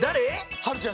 はるちゃん